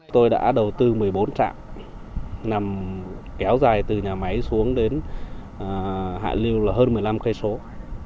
tôi đã đầu tư một mươi bốn trạm kéo dài từ nhà máy xuống đến hạ lưu là hơn một mươi năm km